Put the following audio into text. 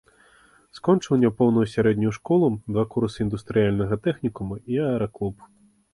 Скончыў няпоўную сярэднюю школу, два курсы індустрыяльнага тэхнікума і аэраклуб.